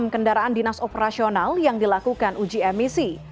enam kendaraan dinas operasional yang dilakukan uji emisi